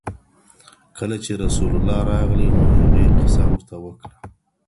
کله چي رسول الله راغلی، نو هغې قصه ورته وکړه.